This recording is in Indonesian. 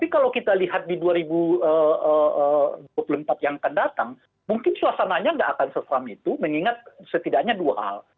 tapi kalau kita lihat di dua ribu dua puluh empat yang akan datang mungkin suasananya nggak akan sekeram itu mengingat setidaknya dua hal